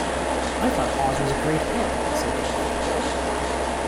"I thought Oz was a great Head," said Dorothy.